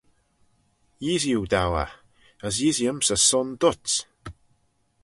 Yeeasee oo dou eh, as yeeasyms y Sun dhyts.